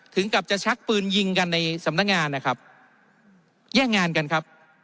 ถึงกับจะชักปืนยิงกันในสำนักงานนะครับแย่งงานกันครับ